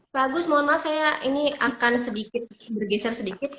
bagus mohon maaf saya ini akan sedikit bergeser sedikit